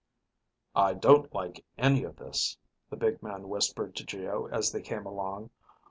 "I don't like any of this," the big man whispered to Geo as they came along.